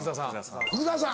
福澤さん。